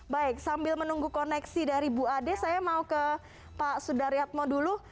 baik sambil menunggu koneksi dari bu ade saya mau ke pak sudaryatmo dulu